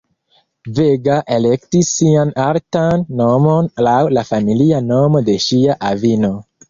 Vega elektis sian artan nomon laŭ la familia nomo de ŝia avino.